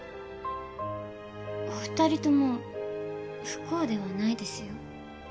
ふたりとも不幸ではないですよ。